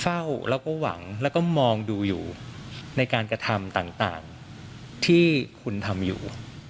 เฝ้าแล้วก็หวังแล้วก็มองดูอยู่ในการกระทำต่างที่คุณทำอยู่